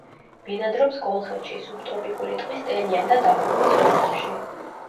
ბინადრობს კოლხეთში, სუბტროპიკული ტყის ტენიან და დახურულ ხეობებში.